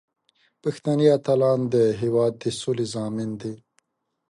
پښتني اتلان د هیواد د سولې ضامن دي.